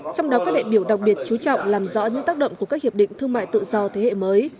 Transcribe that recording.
trong đó các đại biểu đặc biệt chú trọng làm rõ những tác động của các hiệp định thương mại tự do thế hệ mới